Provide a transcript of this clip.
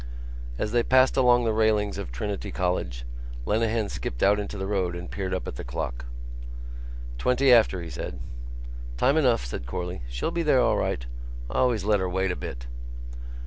As they passed along the railings of Trinity College, Lenehan skipped out into the road and peered up at the clock. "Twenty after," he said. "Time enough," said Corley. "She'll be there all right. I always let her wait a bit."